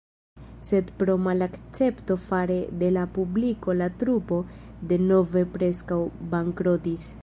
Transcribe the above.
Sed pro malakcepto fare de la publiko la trupo denove preskaŭ bankrotis.